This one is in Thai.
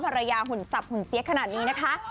หุ่นสับหุ่นเสียขนาดนี้นะคะ